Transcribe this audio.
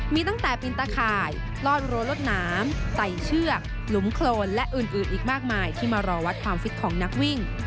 มีตั้งแต่ปีนตะข่ายลอดรั้วรวดหนามใส่เชือกหลุมโครนและอื่นอีกมากมายที่มารอวัดความฟิตของนักวิ่ง